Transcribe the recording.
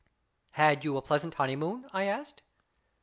" Had you a pleasant honeymoon ?" I asked.